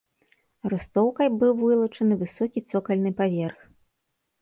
Рустоўкай быў вылучаны высокі цокальны паверх.